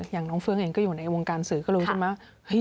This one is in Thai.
อย่างน้องเฟื้องเองก็อยู่ในวงการสื่อก็รู้ใช่ไหม